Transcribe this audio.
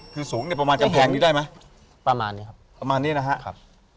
คือสูงเนี่ยประมาณกำแพงนี้ได้ไหมประมาณนี้ครับประมาณนี้นะฮะครับ